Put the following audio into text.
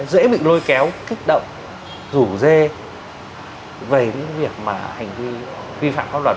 dễ bị lôi kéo kích động rủ dê về những việc mà hành vi vi phạm pháp luật